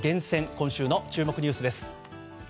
今週の注目ニュースです。